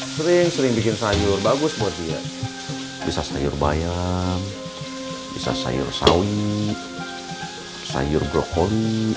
sering sering bikin sayur bagus buat dia bisa sayur bayam bisa sayur sawit sayur brokoni